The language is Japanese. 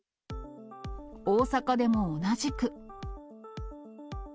大阪でも同じく。